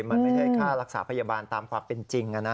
มันไม่ใช่ค่ารักษาพยาบาลตามความเป็นจริง